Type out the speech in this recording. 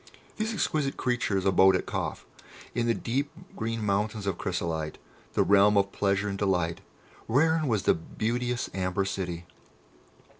These exquisite creatures abode at Kâf, in the deep green mountains of Chrysolite, the realm of Pleasure and Delight, wherein was the beauteous Amber City.